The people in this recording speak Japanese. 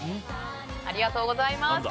ありがとうございます。